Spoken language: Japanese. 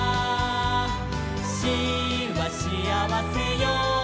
「『シ』はしあわせよ」